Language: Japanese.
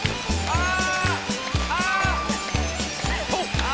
ああ！